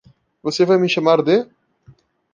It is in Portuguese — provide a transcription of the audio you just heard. Você vai me chamar de?